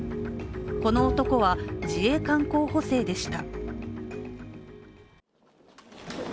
この男は自衛官候補生でした。